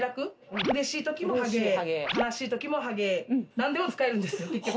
何でも使えるんですよ。